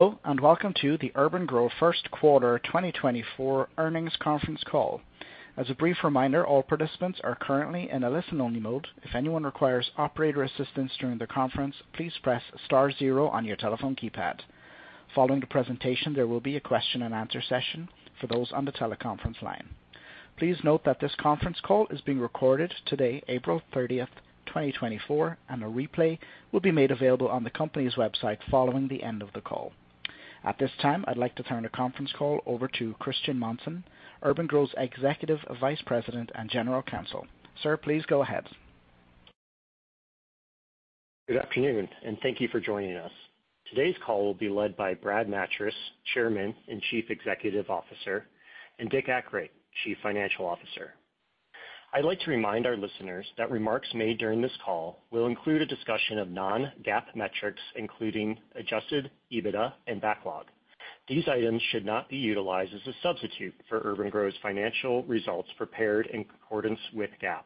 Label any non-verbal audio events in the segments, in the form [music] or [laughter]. Hello, and welcome to the Urban-Gro First Quarter 2024 Earnings Conference Call. As a brief reminder, all participants are currently in a listen-only mode. If anyone requires operator assistance during the conference, please press star zero on your telephone keypad. Following the presentation, there will be a question-and-answer session for those on the teleconference line. Please note that this conference call is being recorded today, April 30th, 2024, and a replay will be made available on the company's website following the end of the call. At this time, I'd like to turn the conference call over to Christian Monson, urban-gro's Executive Vice President and General Counsel. Sir, please go ahead. Good afternoon, and thank you for joining us. Today's call will be led by Brad Nattrass, Chairman and Chief Executive Officer, and Dick Akright, Chief Financial Officer. I'd like to remind our listeners that remarks made during this call will include a discussion of non-GAAP metrics, including adjusted EBITDA and backlog. These items should not be utilized as a substitute for urban-gro's financial results prepared in accordance with GAAP.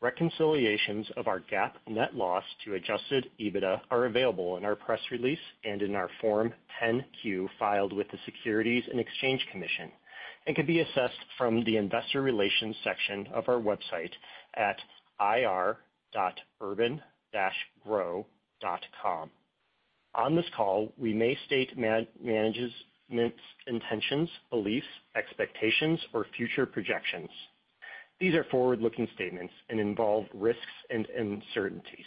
Reconciliations of our GAAP net loss to adjusted EBITDA are available in our press release and in our Form 10-Q filed with the Securities and Exchange Commission, and can be assessed from the investor relations section of our website at ir.urban-gro.com. On this call, we may state management's intentions, beliefs, expectations, or future projections. These are forward-looking statements and involve risks and uncertainties.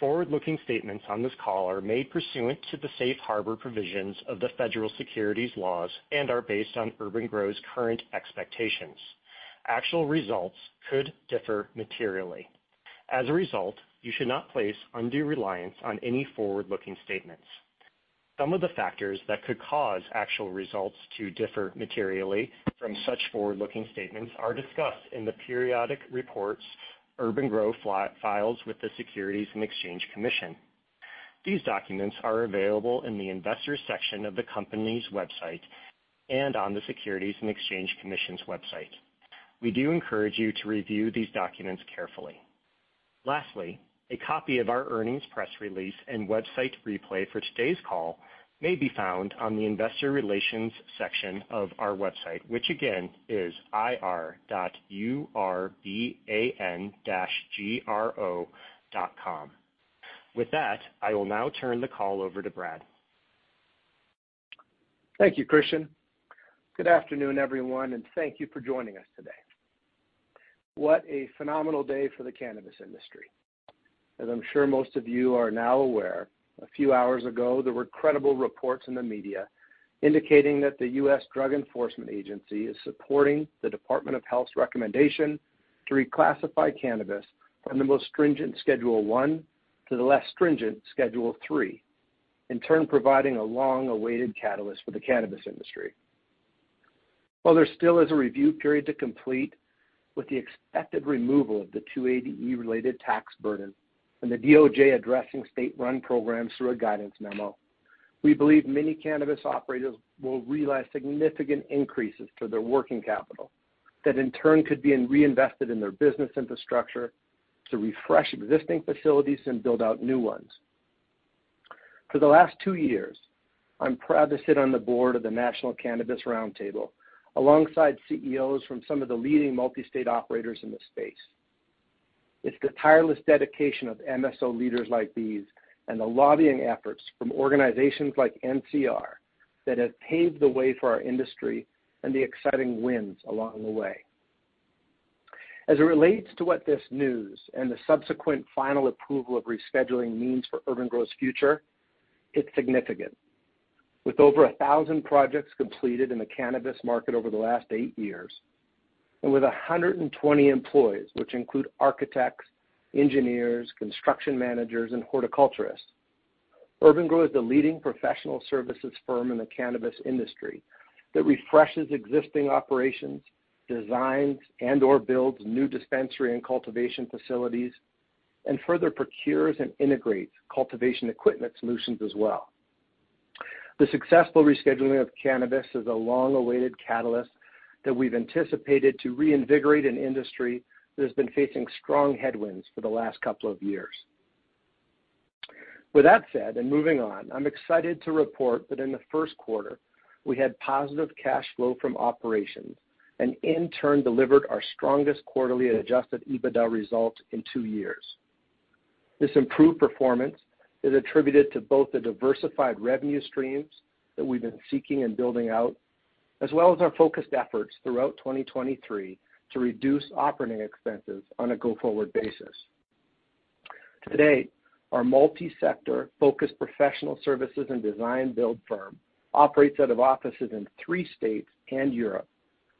Forward-looking statements on this call are made pursuant to the safe harbor provisions of the federal securities laws and are based on urban-gro's current expectations. Actual results could differ materially. As a result, you should not place undue reliance on any forward-looking statements. Some of the factors that could cause actual results to differ materially from such forward-looking statements are discussed in the periodic reports urban-gro files with the Securities and Exchange Commission. These documents are available in the Investors section of the company's website and on the Securities and Exchange Commission's website. We do encourage you to review these documents carefully. Lastly, a copy of our earnings press release and website replay for today's call may be found on the Investor Relations section of our website, which again is ir.U-R-B-A-N-G-R-O.com. With that, I will now turn the call over to Brad. Thank you, Christian. Good afternoon, everyone, and thank you for joining us today. What a phenomenal day for the cannabis industry. As I'm sure most of you are now aware, a few hours ago, there were credible reports in the media indicating that the U.S. Drug Enforcement Agency is supporting the Department of Health's recommendation to reclassify cannabis from the most stringent Schedule I to the less stringent Schedule III, in turn, providing a long-awaited catalyst for the cannabis industry. While there still is a review period to complete, with the expected removal of the 280E related tax burden and the DOJ addressing state-run programs through a guidance memo, we believe many cannabis operators will realize significant increases to their working capital that, in turn, could be reinvested in their business infrastructure to refresh existing facilities and build out new ones. For the last two years, I'm proud to sit on the board of the National Cannabis Roundtable, alongside CEOs from some of the leading multi-state operators in the space. It's the tireless dedication of MSO leaders like these, and the lobbying efforts from organizations like NCR, that have paved the way for our industry and the exciting wins along the way. As it relates to what this news and the subsequent final approval of rescheduling means for urban-gro's future, it's significant. With over 1,000 projects completed in the cannabis market over the last eight years, and with 120 employees, which include architects, engineers, construction managers, and horticulturists, urban-gro is the leading professional services firm in the cannabis industry that refreshes existing operations, designs, and/or builds new dispensary and cultivation facilities, and further procures and integrates cultivation equipment solutions as well. The successful rescheduling of cannabis is a long-awaited catalyst that we've anticipated to reinvigorate an industry that has been facing strong headwinds for the last couple of years. With that said, and moving on, I'm excited to report that in the first quarter, we had positive cash flow from operations and, in turn, delivered our strongest quarterly adjusted EBITDA result in two years. This improved performance is attributed to both the diversified revenue streams that we've been seeking and building out, as well as our focused efforts throughout 2023 to reduce operating expenses on a go-forward basis. Today, our multi-sector focused professional services and design build firm operates out of offices in three states and Europe,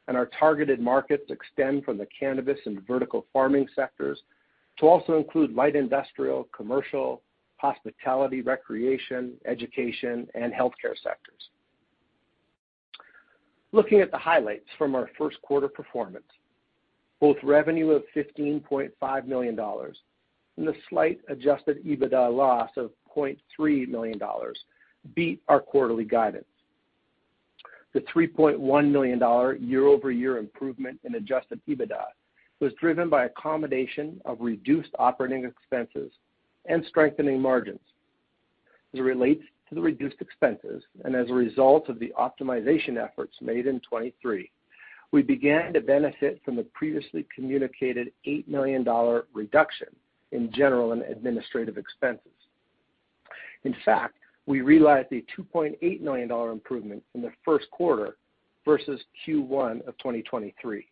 and our targeted markets extend from the cannabis and vertical farming sectors to also include light industrial, commercial, hospitality, recreation, education, and healthcare sectors. Looking at the highlights from our first quarter performance, both revenue of $15.5 million and a slight adjusted EBITDA loss of $0.3 million beat our quarterly guidance. The $3.1 million year-over-year improvement in adjusted EBITDA was driven by a combination of reduced operating expenses and strengthening margins. As it relates to the reduced expenses, and as a result of the optimization efforts made in 2023, we began to benefit from the previously communicated $8 million reduction in general and administrative expenses. In fact, we realized a $2.8 million improvement in the first quarter versus Q1 of 2023.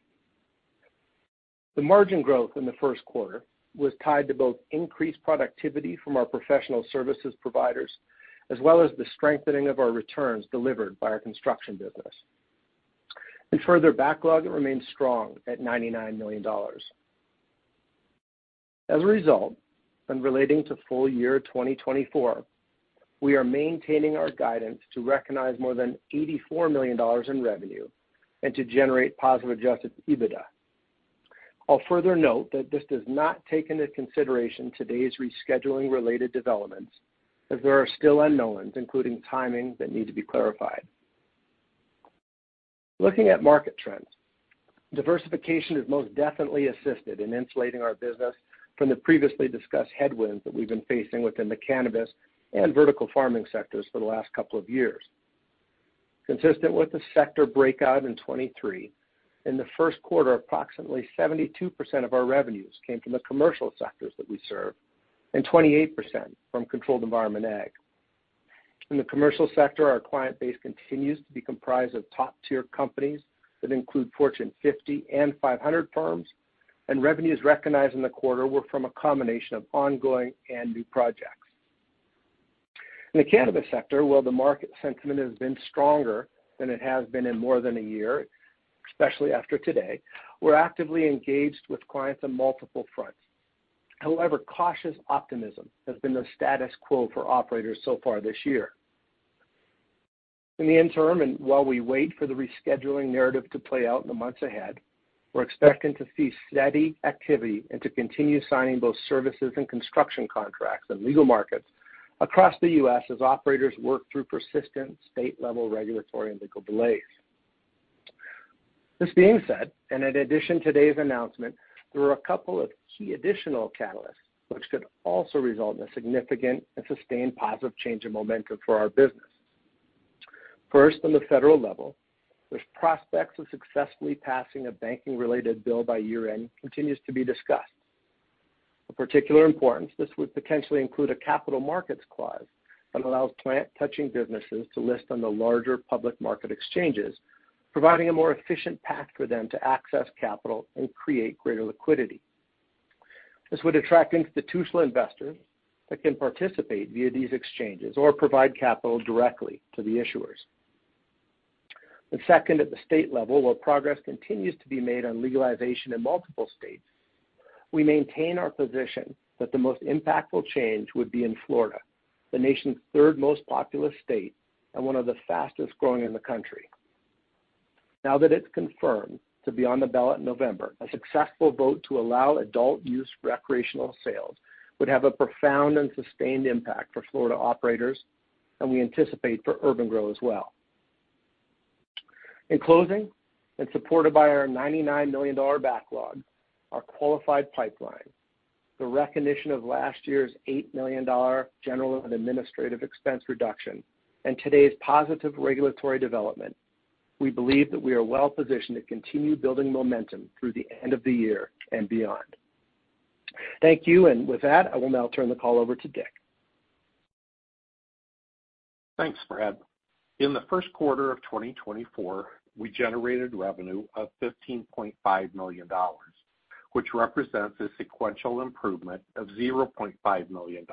The margin growth in the first quarter was tied to both increased productivity from our professional services providers, as well as the strengthening of our returns delivered by our construction business. Further, backlog remains strong at $99 million. As a result, and relating to full-year 2024, we are maintaining our guidance to recognize more than $84 million in revenue and to generate positive adjusted EBITDA. I'll further note that this does not take into consideration today's rescheduling related developments, as there are still unknowns, including timing, that need to be clarified. Looking at market trends, diversification has most definitely assisted in insulating our business from the previously discussed headwinds that we've been facing within the cannabis and vertical farming sectors for the last couple of years. Consistent with the sector breakout in 2023, in the first quarter, approximately 72% of our revenues came from the commercial sectors that we serve, and 28% from controlled environment ag. In the commercial sector, our client base continues to be comprised of top-tier companies that include Fortune 50 and 500 firms, and revenues recognized in the quarter were from a combination of ongoing and new projects. In the cannabis sector, while the market sentiment has been stronger than it has been in more than a year, especially after today, we're actively engaged with clients on multiple fronts. However, cautious optimism has been the status quo for operators so far this year. In the interim, and while we wait for the rescheduling narrative to play out in the months ahead, we're expecting to see steady activity and to continue signing both services and construction contracts in legal markets across the U.S. as operators work through persistent state-level regulatory and legal delays. This being said, and in addition to today's announcement, there are a couple of key additional catalysts which could also result in a significant and sustained positive change in momentum for our business. First, on the federal level, the prospects of successfully passing a banking-related bill by year-end continue to be discussed. Of particular importance, this would potentially include a capital markets clause that allows plant-touching businesses to list on the larger public market exchanges, providing a more efficient path for them to access capital and create greater liquidity. This would attract institutional investors that can participate via these exchanges or provide capital directly to the issuers. And second, at the state level, while progress continues to be made on legalization in multiple states, we maintain our position that the most impactful change would be in Florida, the nation's third most populous state and one of the fastest growing in the country. Now that it's confirmed to be on the ballot in November, a successful vote to allow adult-use recreational sales would have a profound and sustained impact for Florida operators, and we anticipate for urban-gro as well. In closing, and supported by our $99 million backlog, our qualified pipeline, the recognition of last year's $8 million general and administrative expense reduction, and today's positive regulatory development, we believe that we are well positioned to continue building momentum through the end of the year and beyond. Thank you, and with that, I will now turn the call over to Dick. Thanks, Brad. In the first quarter of 2024, we generated revenue of $15.5 million, which represents a sequential improvement of $0.5 million,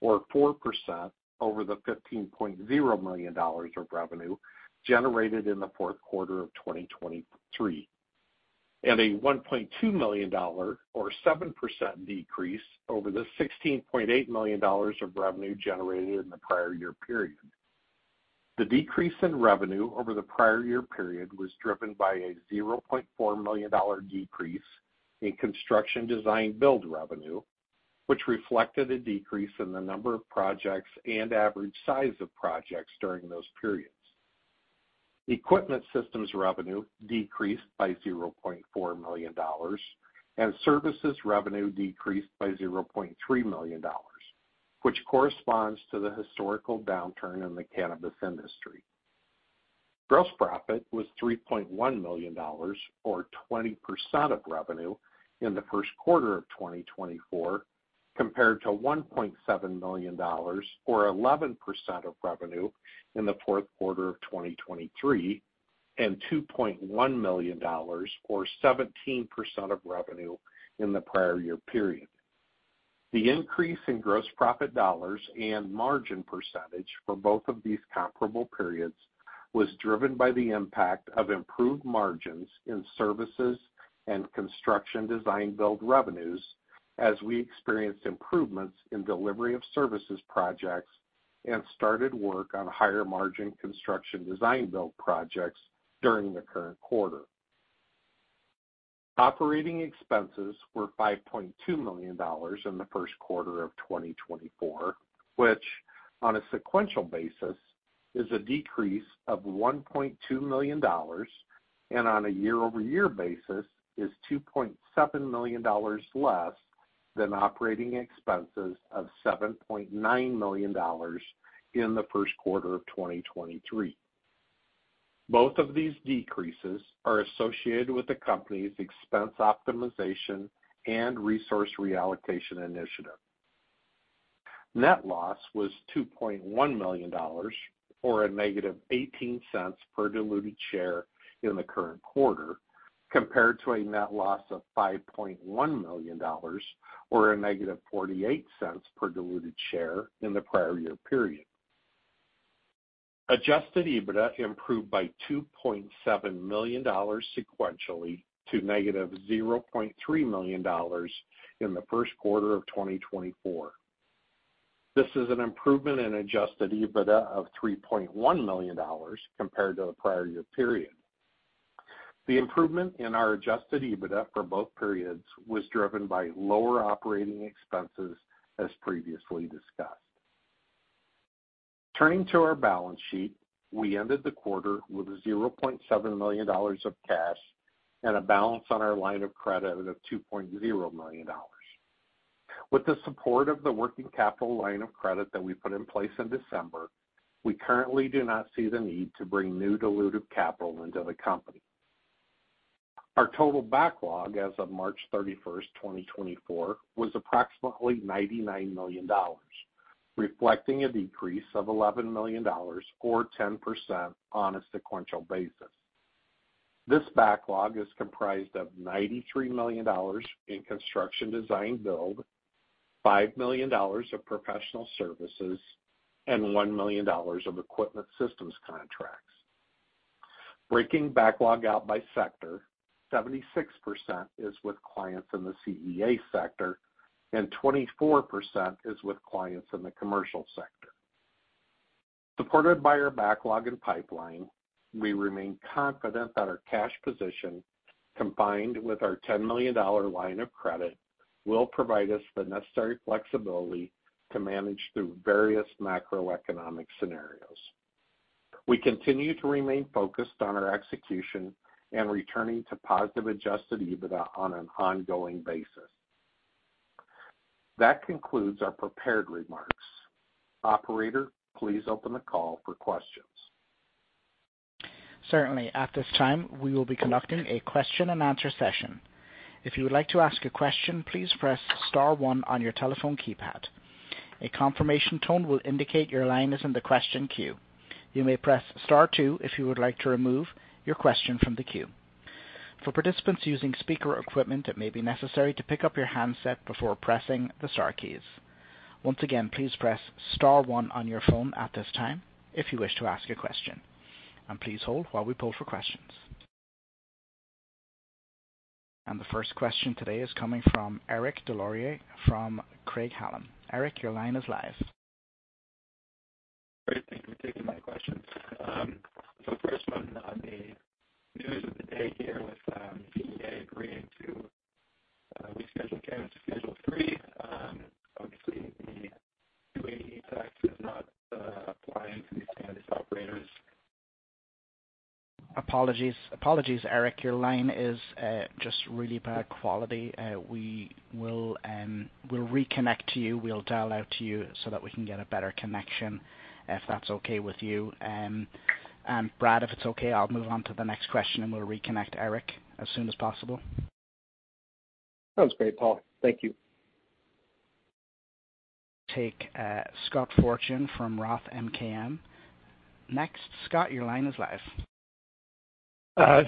or 4%, over the $15.0 million of revenue generated in the fourth quarter of 2023, and a $1.2 million, or 7%, decrease over the $16.8 million of revenue generated in the prior year period. The decrease in revenue over the prior year period was driven by a $0.4 million decrease in construction design-build revenue, which reflected a decrease in the number of projects and average size of projects during those periods. Equipment systems revenue decreased by $0.4 million, and services revenue decreased by $0.3 million, which corresponds to the historical downturn in the cannabis industry. Gross profit was $3.1 million, or 20% of revenue, in the first quarter of 2024, compared to $1.7 million, or 11% of revenue, in the fourth quarter of 2023, and $2.1 million, or 17% of revenue, in the prior year period. The increase in gross profit dollars and margin percentage for both of these comparable periods was driven by the impact of improved margins in services and Construction Design-Build revenues, as we experienced improvements in delivery of services projects and started work on higher-margin Construction Design-Build projects during the current quarter.... Operating expenses were $5.2 million in the first quarter of 2024, which on a sequential basis, is a decrease of $1.2 million, and on a year-over-year basis is $2.7 million less than operating expenses of $7.9 million in the first quarter of 2023. Both of these decreases are associated with the company's expense optimization and resource reallocation initiative. Net loss was $2.1 million, or -$0.18 per diluted share in the current quarter, compared to a net loss of $5.1 million, or -$0.48 per diluted share in the prior year period. Adjusted EBITDA improved by $2.7 million sequentially to -$0.3 million in the first quarter of 2024. This is an improvement in adjusted EBITDA of $3.1 million compared to the prior year period. The improvement in our adjusted EBITDA for both periods was driven by lower operating expenses, as previously discussed. Turning to our balance sheet, we ended the quarter with $0.7 million of cash and a balance on our line of credit of $2.0 million. With the support of the working capital line of credit that we put in place in December, we currently do not see the need to bring new dilutive capital into the company. Our total backlog as of March 31st, 2024, was approximately $99 million, reflecting a decrease of $11 million or 10% on a sequential basis. This backlog is comprised of $93 million in Construction Design-Build, $5 million of professional services, and $1 million of equipment systems contracts. Breaking backlog out by sector, 76% is with clients in the CEA sector, and 24% is with clients in the commercial sector. Supported by our backlog and pipeline, we remain confident that our cash position, combined with our $10 million line of credit, will provide us the necessary flexibility to manage through various macroeconomic scenarios. We continue to remain focused on our execution and returning to positive adjusted EBITDA on an ongoing basis. That concludes our prepared remarks. Operator, please open the call for questions. Certainly. At this time, we will be conducting a question-and-answer session. If you would like to ask a question, please press star one on your telephone keypad. A confirmation tone will indicate your line is in the question queue. You may press star two if you would like to remove your question from the queue. For participants using speaker equipment, it may be necessary to pick up your handset before pressing the star keys. Once again, please press star one on your phone at this time if you wish to ask a question, and please hold while we pull for questions. The first question today is coming from Eric Des Lauriers from Craig-Hallum. Eric, your line is live. Great, thank you for taking my question. So first one on the news of the day here with DEA agreeing to reschedule cannabis to Schedule III. Obviously, the 280E tax is not applying to these cannabis operators. Apologies. Apologies, Eric. Your line is just really bad quality. We'll reconnect to you. We'll dial out to you so that we can get a better connection, if that's okay with you. Brad, if it's okay, I'll move on to the next question, and we'll reconnect Eric as soon as possible. That's great, Paul. Thank you. Take, Scott Fortune from Roth MKM. Next, Scott, your line is live.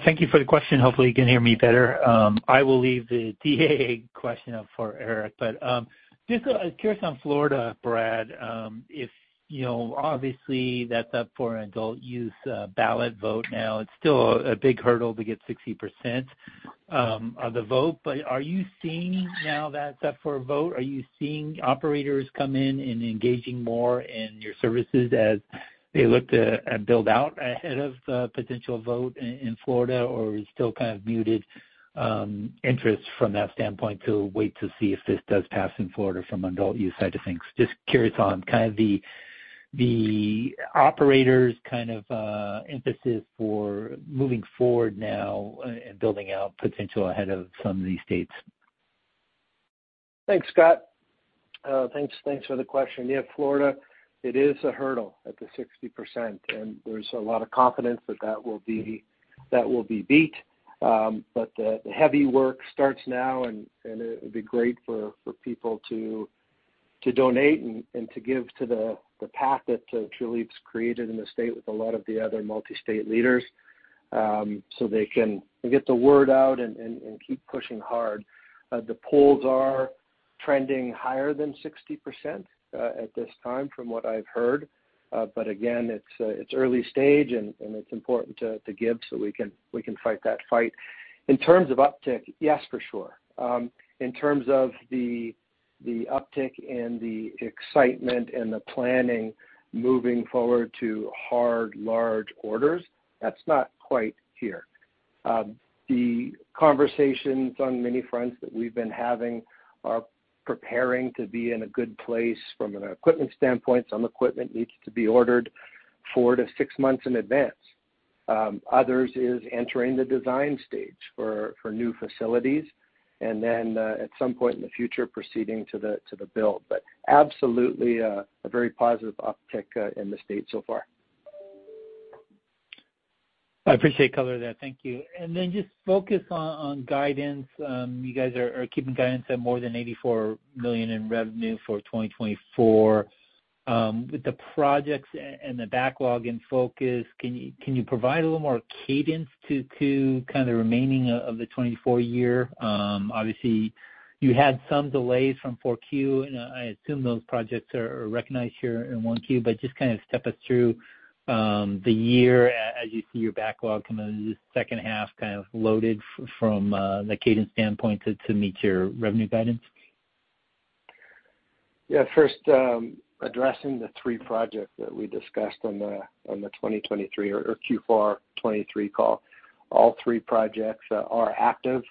Thank you for the question. Hopefully, you can hear me better. I will leave the DEA question up for Eric, but just curious on Florida, Brad, if you know, obviously, that's up for an adult-use ballot vote now. It's still a big hurdle to get 60% of the vote, but are you seeing now that it's up for a vote, are you seeing operators come in and engaging more in your services as they look to build out ahead of the potential vote in Florida, or is still kind of muted interest from that standpoint to wait to see if this does pass in Florida from an adult-use side of things? Just curious on kind of the operators' kind of emphasis for moving forward now and building out potential ahead of some of these states. Thanks, Scott. Thanks for the question. Yeah, Florida, it is a hurdle at the 60%, and there's a lot of confidence that that will be beat. But the heavy work starts now, and it would be great for people to donate and to give to the path that Trulieve's created in the state with a lot of the other multi-state leaders, so they can get the word out and keep pushing hard. The polls are trending higher than 60% at this time, from what I've heard. But again, it's early stage, and it's important to give so we can fight that fight. In terms of uptick, yes, for sure. In terms of the uptick and the excitement and the planning moving forward to hard, large orders. That's not quite here. The conversations on many fronts that we've been having are preparing to be in a good place from an equipment standpoint. Some equipment needs to be ordered 4-6 months in advance. Others is entering the design stage for new facilities, and then at some point in the future, proceeding to the build. But absolutely, a very positive uptick in the state so far. I appreciate color there. Thank you. Then just focus on guidance. You guys are keeping guidance at more than $84 million in revenue for 2024. With the projects and the backlog in focus, can you provide a little more cadence to kind of the remaining of 2024? Obviously, you had some delays from Q4, and I assume those projects are recognized here in Q1. But just kind of step us through the year as you see your backlog in the second half, kind of loaded from the cadence standpoint to meet your revenue guidance. Yeah, first, addressing the three projects that we discussed on the 2023 or Q4 2023 call, all three projects are active.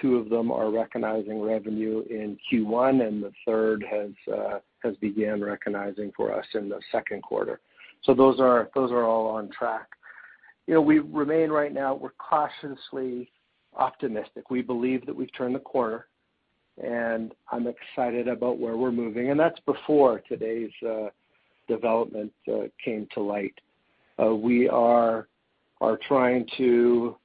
Two of them are recognizing revenue in Q1, and the third has has began recognizing for us in the second quarter. So those are all on track. You know, we remain right now, we're cautiously optimistic. We believe that we've turned the corner, and I'm excited about where we're moving, and that's before today's development came to light. We are trying to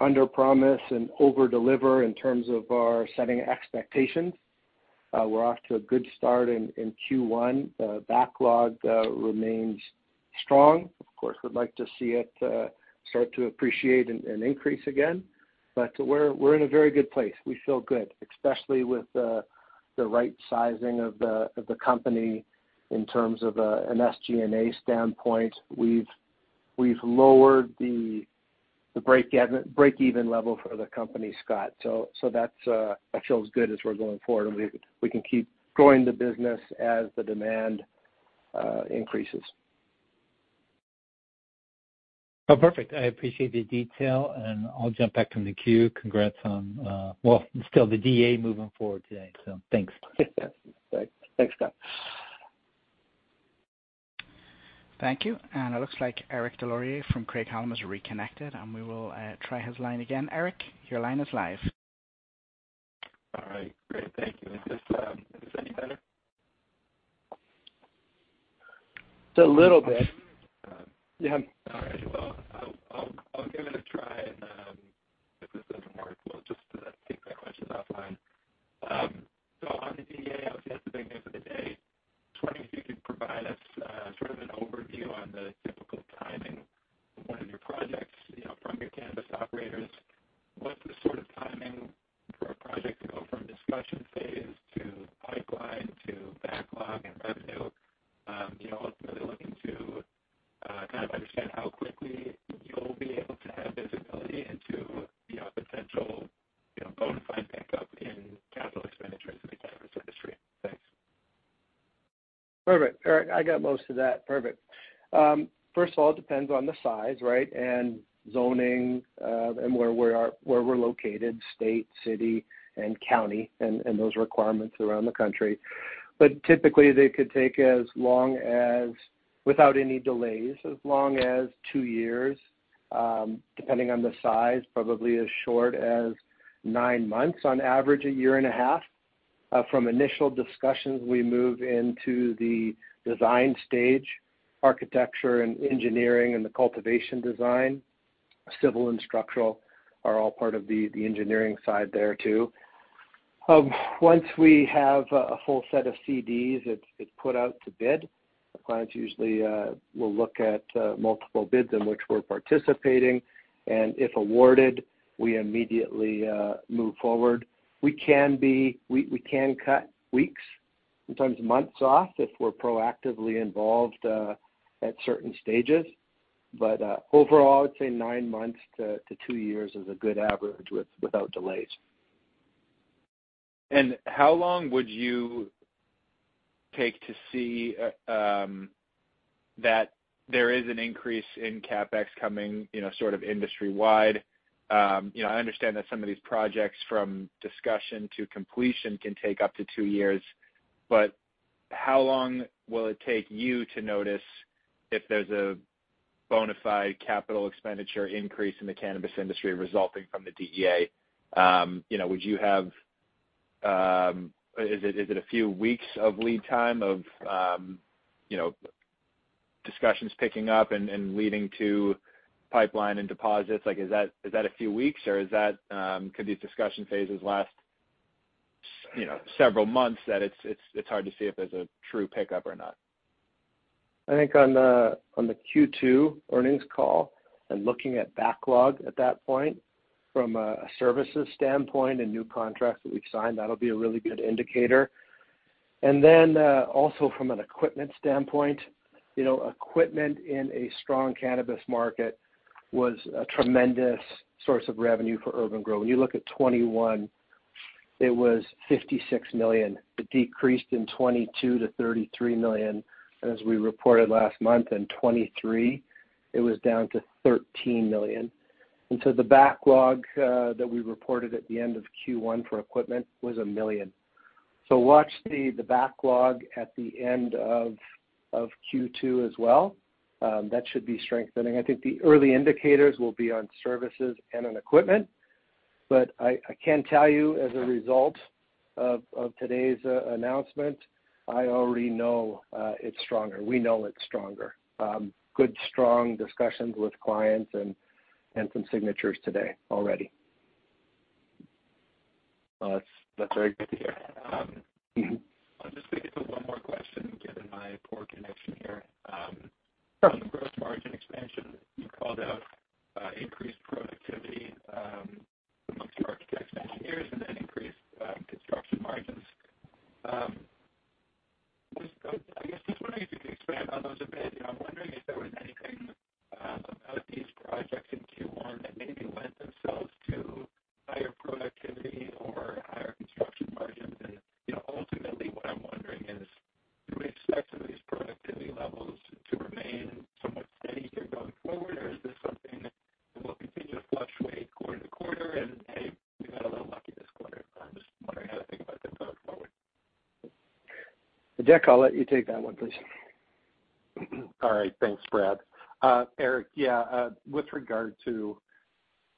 underpromise and overdeliver in terms of our setting expectations. We're off to a good start in Q1. Backlog remains strong. Of course, we'd like to see it start to appreciate and increase again, but we're in a very good place. We feel good, especially with the right sizing of the company in terms of an SG&A standpoint. We've lowered the break-even level for the company, Scott. So that's. That feels good as we're going forward, and we can keep growing the business as the demand increases. Oh, perfect. I appreciate the detail, and I'll jump back in the queue. Congrats on, well, still the DEA moving forward today, so thanks. Thanks, Scott. Thank you, and it looks like Eric Des Lauriers from Craig-Hallum is reconnected, and we will try his line again. Eric, your line is live. All right, great. Thank you. Is this any better? Just a little bit. [audio distortion] Yeah. All right. Well, I'll give it a try, and if this doesn't work, we'll just take my questions offline. So on the DEA, obviously, that's the big news of the day. I was wondering if you could provide us sort of an overview on the typical timing of one of your projects, you know, from your cannabis operators. What's the sort of timing for a project to go from discussion phase to pipeline to backlog and revenue? You know, ultimately looking to kind of understand how quickly you'll be able to have visibility into, you know, potential bona fide pickup in capital expenditures in the cannabis industry. Thanks. Perfect, Eric, I got most of that. Perfect. First of all, it depends on the size, right, and zoning, and where we are, where we're located, state, city, and county, and those requirements around the country. But typically, they could take as long as, without any delays, as long as two years, depending on the size, probably as short as nine months, on average, a year and a half. From initial discussions, we move into the design stage, architecture and engineering, and the cultivation design. Civil and structural are all part of the engineering side there, too. Once we have a full set of CDs, it's put out to bid. The clients usually will look at multiple bids in which we're participating, and if awarded, we immediately move forward. We can cut weeks, sometimes months off, if we're proactively involved at certain stages. But overall, I'd say nine months to two years is a good average without delays. And how long would you take to see that there is an increase in CapEx coming, you know, sort of industry-wide? You know, I understand that some of these projects, from discussion to completion, can take up to two years, but how long will it take you to notice if there's a bona fide capital expenditure increase in the cannabis industry resulting from the DEA? You know, would you have, Is it, is it a few weeks of lead time of, you know, discussions picking up and, and leading to pipeline and deposits? Like, is that, is that a few weeks, or is that, could these discussion phases last, you know, several months, that it's hard to see if there's a true pickup or not? I think on the Q2 earnings call, and looking at backlog at that point, from a services standpoint and new contracts that we've signed, that'll be a really good indicator. And then, also from an equipment standpoint, you know, equipment in a strong cannabis market was a tremendous source of revenue for urban-gro. When you look at 2021, it was $56 million. It decreased in 2022 to $33 million, as we reported last month. In 2023, it was down to $13 million. And so the backlog that we reported at the end of Q1 for equipment was $1 million. So watch the backlog at the end of Q2 as well, that should be strengthening. I think the early indicators will be on services and on equipment, but I, I can tell you, as a result of, of today's announcement, I already know, it's stronger. We know it's stronger. Good, strong discussions with clients and, and some signatures today already. Well, that's, that's very good to hear. I'm just going to get to one more question, given my poor connection here. On the gross margin expansion, you called out increased productivity among your architects, engineers, and then increased construction margins. Just, I guess, just wondering if you could expand on those a bit. You know, I'm wondering if there was anything about these projects in Q1 that maybe lent themselves to higher productivity or higher construction margins. You know, ultimately, what I'm wondering is, do we expect some of these productivity levels to remain somewhat steady here going forward, or is this something that will continue to fluctuate quarter to quarter? Hey, we got a little lucky this quarter. I'm just wondering how to think about this going forward. Dick, I'll let you take that one, please. All right, thanks, Brad. Eric, yeah, with regard to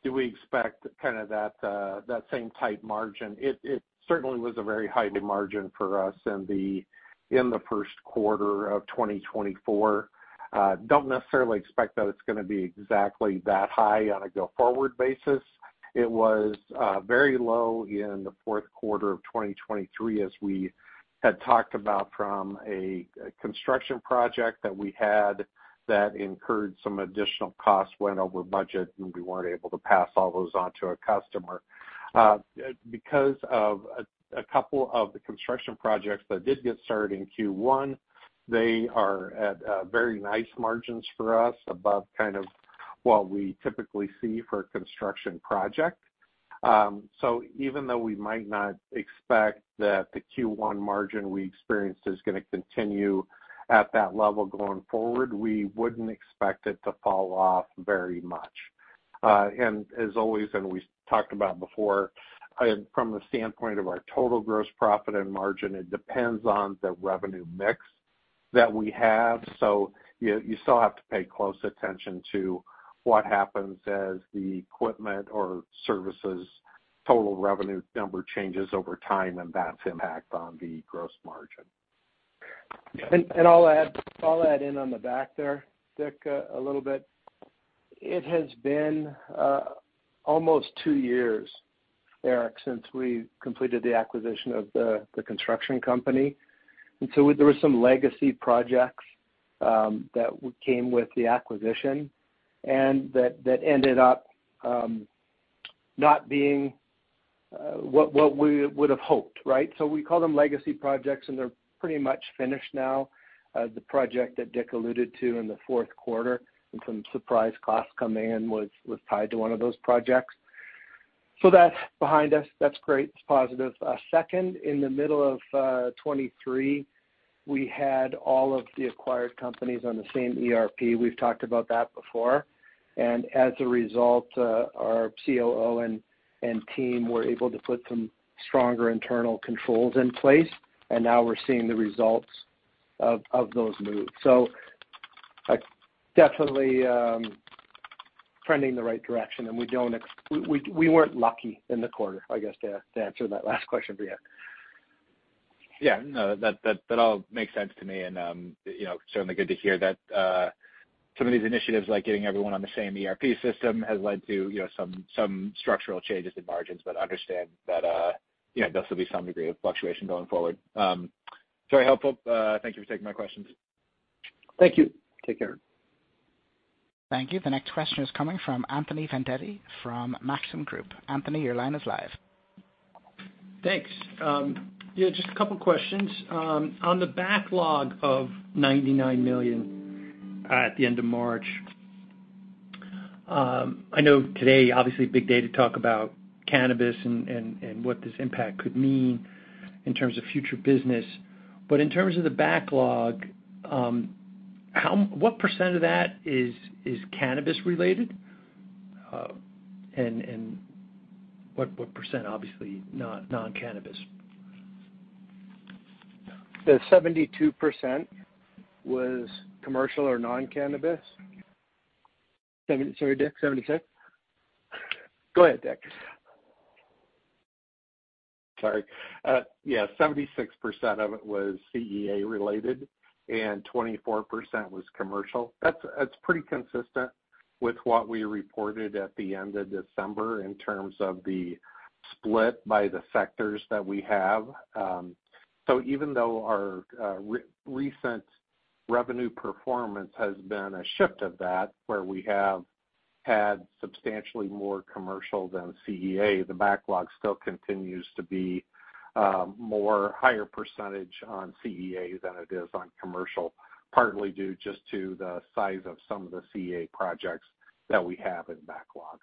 do we expect kind of that, that same tight margin, it certainly was a very high margin for us in the first quarter of 2024. Don't necessarily expect that it's going to be exactly that high on a go-forward basis. It was very low in the fourth quarter of 2023, as we had talked about from a construction project that we had that incurred some additional costs, went over budget, and we weren't able to pass all those on to our customer. Because of a couple of the construction projects that did get started in Q1, they are at very nice margins for us, above kind of what we typically see for a construction project. So even though we might not expect that the Q1 margin we experienced is going to continue at that level going forward, we wouldn't expect it to fall off very much. And as always, and we talked about before, from the standpoint of our total gross profit and margin, it depends on the revenue mix that we have. So you still have to pay close attention to what happens as the equipment or services total revenue number changes over time, and that's impact on the gross margin. I'll add in on the back there, Dick, a little bit. It has been almost two years, Eric, since we completed the acquisition of the construction company. And so there were some legacy projects that came with the acquisition and that ended up not being what we would have hoped, right? So we call them legacy projects, and they're pretty much finished now. The project that Dick alluded to in the fourth quarter and some surprise costs coming in was tied to one of those projects. So that's behind us. That's great. It's positive. Second, in the middle of 2023, we had all of the acquired companies on the same ERP. We've talked about that before. And as a result, our COO and team were able to put some stronger internal controls in place, and now we're seeing the results of those moves. So definitely, trending in the right direction, and we weren't lucky in the quarter, I guess, to answer that last question for you. Yeah, no, that all makes sense to me. And, you know, certainly good to hear that some of these initiatives, like getting everyone on the same ERP system, has led to, you know, some structural changes in margins, but understand that, you know, there'll be some degree of fluctuation going forward. Very helpful. Thank you for taking my questions. Thank you. Take care. Thank you. The next question is coming from Anthony Vendetti from Maxim Group. Anthony, your line is live. Thanks. Yeah, just a couple questions. On the backlog of $99 million at the end of March, I know today, obviously, a big day to talk about cannabis and what this impact could mean in terms of future business. But in terms of the backlog, what percent of that is cannabis related? And what percent, obviously, not non-cannabis? The 72% was commercial or non-cannabis. Sorry, Dick, 76%? Go ahead, Dick. Sorry. Yeah, 76% of it was CEA related and 24% was commercial. That's pretty consistent with what we reported at the end of December in terms of the split by the sectors that we have. So even though our recent revenue performance has been a shift of that, where we have had substantially more commercial than CEA, the backlog still continues to be, more higher percentage on CEA than it is on commercial, partly due just to the size of some of the CEA projects that we have in backlog.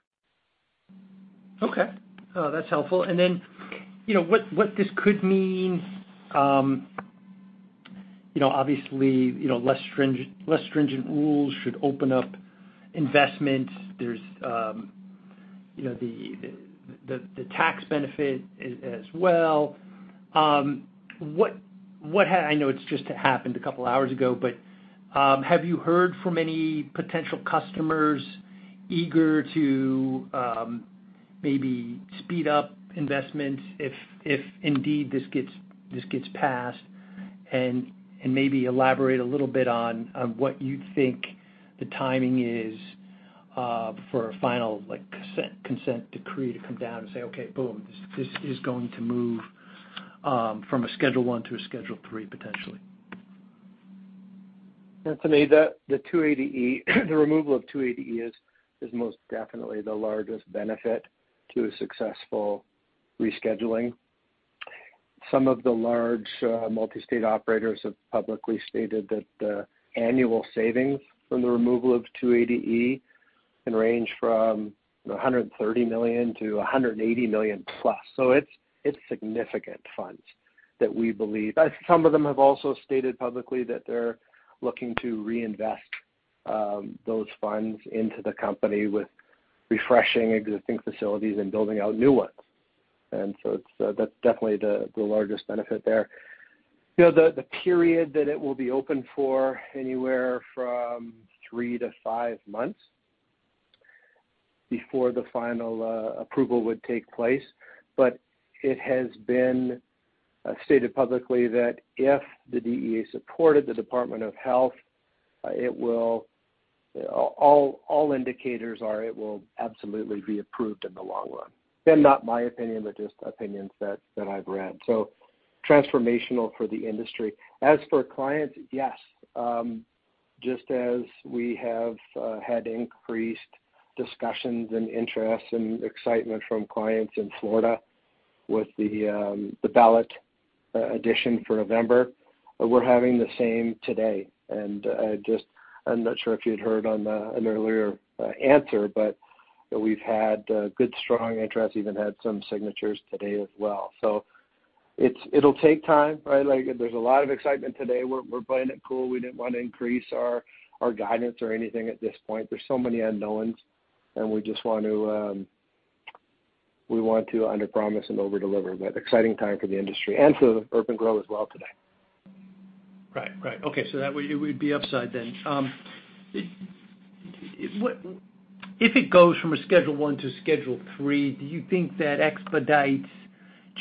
Okay. That's helpful. And then, you know, what this could mean, you know, obviously, you know, less stringent, less stringent rules should open up investment. There's, you know, the tax benefit as well. I know it's just happened a couple hours ago, but, have you heard from any potential customers eager to, maybe speed up investments if indeed this gets passed? And maybe elaborate a little bit on what you think the timing is, for a final, like, consent decree to come down and say, "Okay, boom, this is going to move, from a Schedule I to a Schedule III, potentially. To me, the 280E, the removal of 280E is most definitely the largest benefit to a successful rescheduling. Some of the large multi-state operators have publicly stated that the annual savings from the removal of 280E can range from $130 million-$180 million+. So it's significant funds that we believe... Some of them have also stated publicly that they're looking to reinvest those funds into the company with refreshing existing facilities and building out new ones. And so it's that's definitely the largest benefit there. You know, the period that it will be open for anywhere from 3-5 months before the final approval would take place. But it has been stated publicly that if the DEA supported the Department of Health, all indicators are it will absolutely be approved in the long run. Again, not my opinion, but just opinions that I've read. So transformational for the industry. As for clients, yes, just as we have had increased discussions and interests and excitement from clients in Florida with the ballot initiative for November, we're having the same today. Just, I'm not sure if you'd heard in an earlier answer, but we've had good, strong interest, even had some signatures today as well. So it'll take time, right? Like, there's a lot of excitement today. We're playing it cool. We didn't want to increase our guidance or anything at this point. There's so many unknowns, and we just want to, we want to underpromise and overdeliver, but exciting time for the industry and for urban-gro as well today. Right. Right. Okay. So that would be upside then. What if it goes from a Schedule I to Schedule III, do you think that expedites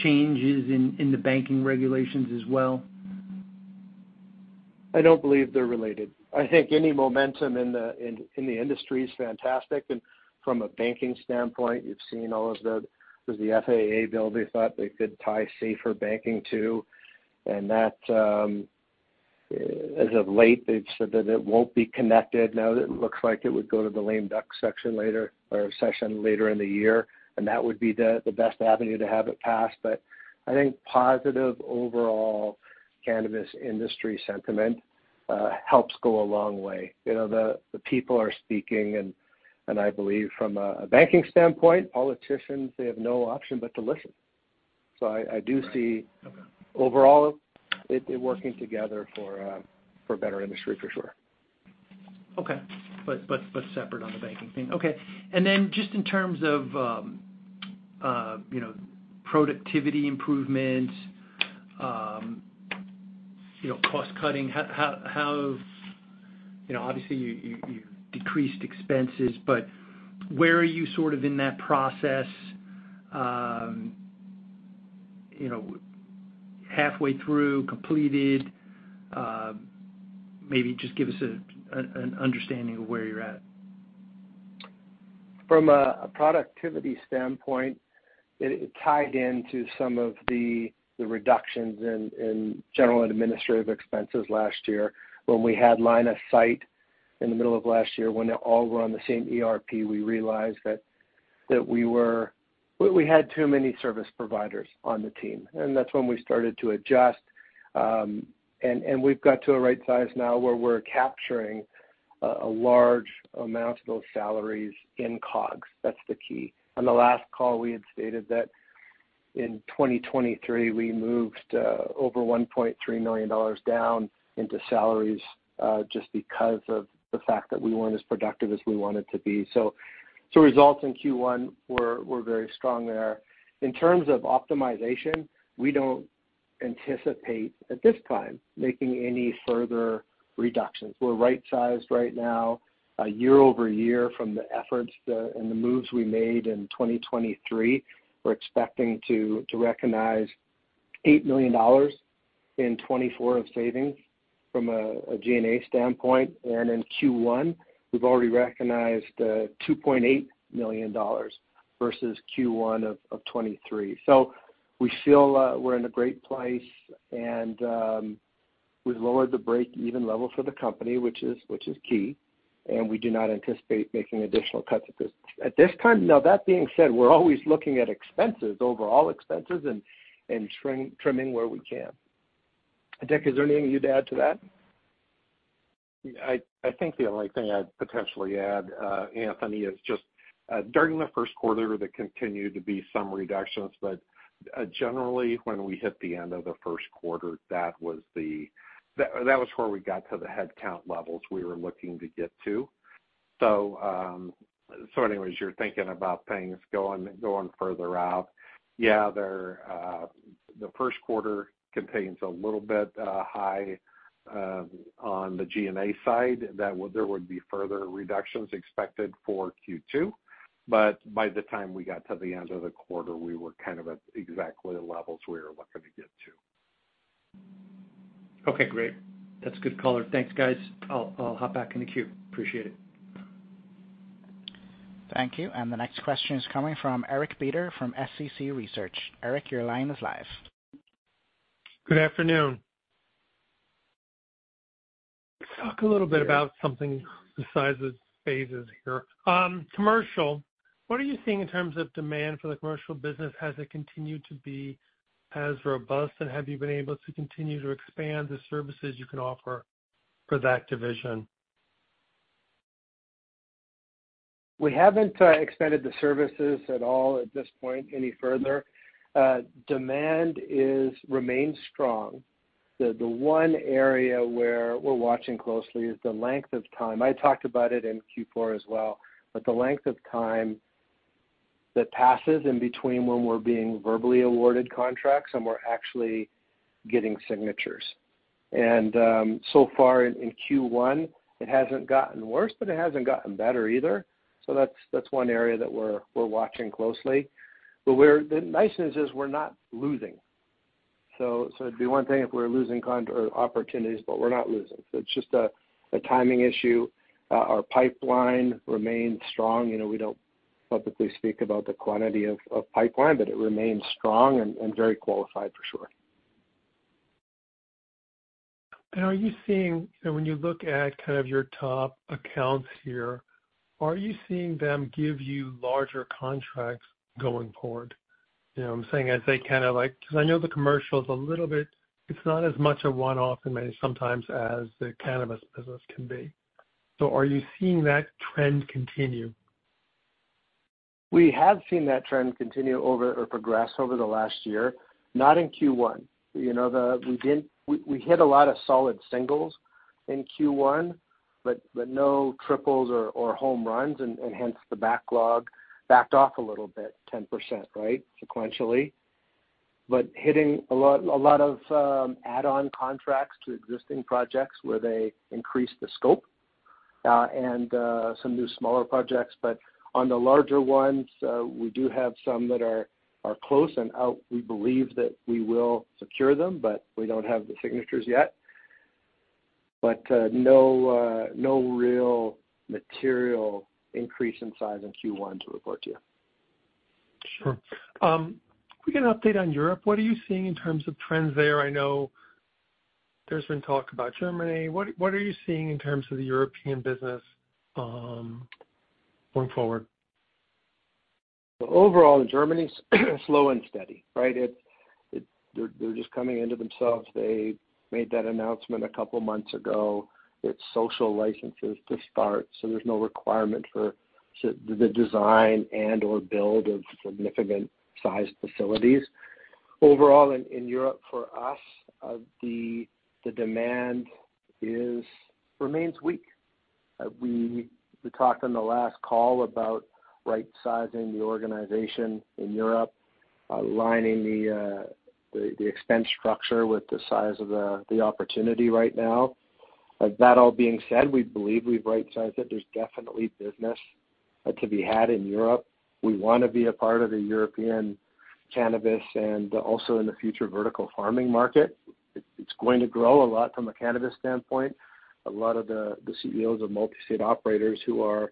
changes in the banking regulations as well? I don't believe they're related. I think any momentum in the industry is fantastic, and from a banking standpoint, you've seen all of the, with the FAA bill, they thought they could tie SAFER Banking to, and that, as of late, they've said that it won't be connected. Now it looks like it would go to the lame duck session later, or session later in the year, and that would be the best avenue to have it passed. But I think positive overall cannabis industry sentiment helps go a long way. You know, the people are speaking, and I believe from a banking standpoint, politicians, they have no option but to listen. So I do see, overall, it working together for better industry, for sure. Okay. But separate on the banking thing. Okay. And then just in terms of, you know, productivity improvements, you know, cost cutting, how, you know, obviously, you decreased expenses, but where are you sort of in that process? You know, halfway through, completed, maybe just give us an understanding of where you're at. From a productivity standpoint, it tied into some of the reductions in general and administrative expenses last year when we had line of sight in the middle of last year, when they all were on the same ERP, we realized that we had too many service providers on the team, and that's when we started to adjust. And we've got to a right size now where we're capturing a large amount of those salaries in COGS. That's the key. On the last call, we had stated that in 2023, we moved over $1.3 million down into salaries, just because of the fact that we weren't as productive as we wanted to be. So results in Q1 were very strong there. In terms of optimization, we don't anticipate, at this time, making any further reductions. We're right-sized right now year-over-year from the efforts and the moves we made in 2023. We're expecting to recognize $8 million in 2024 of savings from a G&A standpoint. And in Q1, we've already recognized $2.8 million versus Q1 of 2023. So we feel we're in a great place, and we've lowered the break-even level for the company, which is key, and we do not anticipate making additional cuts at this time. Now, that being said, we're always looking at expenses, overall expenses, and trimming where we can. Dick, is there anything you'd add to that? I think the only thing I'd potentially add, Anthony, is just during the first quarter, there continued to be some reductions, but generally, when we hit the end of the first quarter, that was where we got to the headcount levels we were looking to get to. So anyways, you're thinking about things going further out. Yeah, the first quarter contains a little bit high on the G&A side, that there would be further reductions expected for Q2. But by the time we got to the end of the quarter, we were kind of at exactly the levels we were looking to get to. Okay, great. That's good color. Thanks, guys. I'll, I'll hop back in the queue. Appreciate it. Thank you. And the next question is coming from Eric Beder from SCC Research. Eric, your line is live. Good afternoon. Talk a little bit about something besides the phases here. Commercial, what are you seeing in terms of demand for the commercial business? Has it continued to be as robust, and have you been able to continue to expand the services you can offer for that division? We haven't expanded the services at all at this point, any further. Demand remains strong. The one area where we're watching closely is the length of time. I talked about it in Q4 as well, but the length of time that passes in between when we're being verbally awarded contracts and we're actually getting signatures. And so far in Q1, it hasn't gotten worse, but it hasn't gotten better either. So that's one area that we're watching closely. But the nice news is we're not losing. So it'd be one thing if we're losing contracts or opportunities, but we're not losing. So it's just a timing issue. Our pipeline remains strong. You know, we don't publicly speak about the quantity of pipeline, but it remains strong and very qualified for sure. Are you seeing, when you look at kind of your top accounts here, are you seeing them give you larger contracts going forward? You know, I'm saying as they kind of like, because I know the commercial is a little bit, it's not as much a one-off in many, sometimes as the cannabis business can be. So are you seeing that trend continue? We have seen that trend continue or progress over the last year, not in Q1. You know, we hit a lot of solid singles in Q1, but no triples or home runs, and hence the backlog backed off a little bit, 10%, right, sequentially. But hitting a lot of add-on contracts to existing projects where they increased the scope, and some new smaller projects. But on the larger ones, we do have some that are close, and we believe that we will secure them, but we don't have the signatures yet. But no real material increase in size in Q1 to report to you. Sure. Can we get an update on Europe? What are you seeing in terms of trends there? I know there's been talk about Germany. What, what are you seeing in terms of the European business, going forward? So overall, in Germany, slow and steady, right? They're just coming into themselves. They made that announcement a couple of months ago. It's social licenses to start, so there's no requirement for the design and or build of significant sized facilities. Overall, in Europe, for us, the demand remains weak. We talked on the last call about right-sizing the organization in Europe, aligning the expense structure with the size of the opportunity right now. That all being said, we believe we've right-sized it. There's definitely business to be had in Europe. We want to be a part of the European cannabis and also in the future, vertical farming market. It's going to grow a lot from a cannabis standpoint. A lot of the CEOs of multi-state operators who are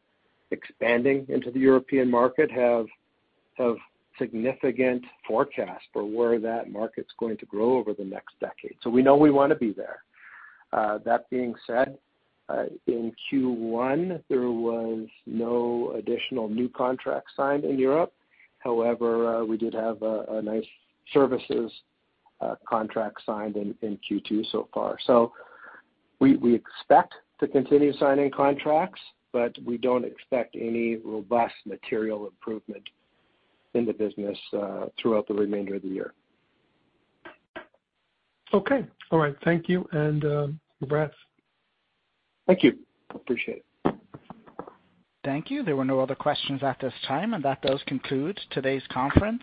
expanding into the European market have significant forecasts for where that market's going to grow over the next decade. So we know we want to be there. That being said, in Q1, there was no additional new contracts signed in Europe. However, we did have a nice services contract signed in Q2 so far. So we expect to continue signing contracts, but we don't expect any robust material improvement in the business throughout the remainder of the year. Okay. All right. Thank you, and congrats. Thank you. Appreciate it. Thank you. There were no other questions at this time, and that does conclude today's conference.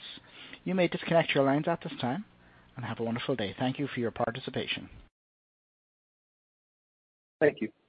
You may disconnect your lines at this time, and have a wonderful day. Thank you for your participation. Thank you.